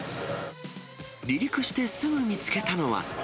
離陸してすぐ見つけたのは。